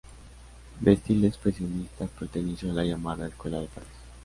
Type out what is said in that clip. De estilo expresionista, perteneció a la llamada Escuela de París.